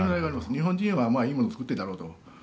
日本人はいいものを作っているだろうと。